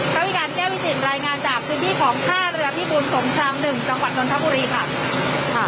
ราวิการพี่แน่วิจิตรรายงานจากพื้นที่ของ๕เรือพี่บุญสงชาม๑จังหวัดดนทบุรีค่ะ